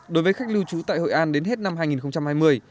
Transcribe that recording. đối với khách lưu trú tại hội an đến hết năm hai nghìn hai mươi